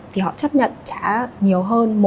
thì họ chấp nhận trả nhiều hơn